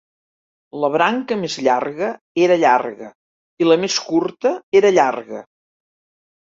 La branca més llarga era llarga, i la més curta era llarga.